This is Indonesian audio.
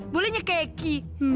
bolehnya kayak ki